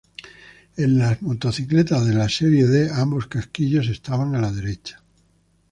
En las motocicletas de la Serie D, ambos casquillos estaban a la derecha.